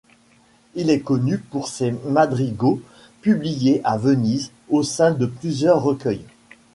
Il est connu pour ses madrigaux, publiés à Venise au sein de plusieurs recueils.